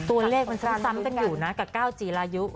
ตัวเลขมันซ้ำกันอยู่นะกับก้าวจีรายุ